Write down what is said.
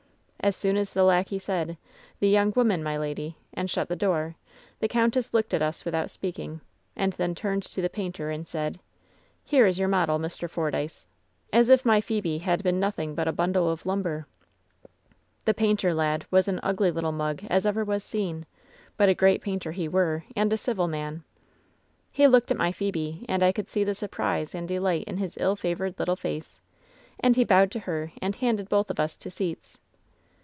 "As soon as the lackey said, 'The young woman, my lady,' and shut the door, the countess looked at us with out speaking, and then turned to the painter, and said, 'Here is your model, Mr Fordyce,' as if my Phebe had been nothing but a bundle of lumber. "The painter lad was an ugly little mug as ever was 278 LOVE'S BITTEREST CUP seen, but a great painter he were, and a civil man. He looked at my Phebe, and I could see the surprise and delight in his ill favored little face, and he bowed to her, and handed both of us to seats.